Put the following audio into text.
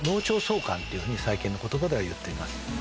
っていうふうに最近の言葉では言っています。